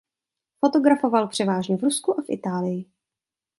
Fotografoval převážně v Rusku a v Itálii.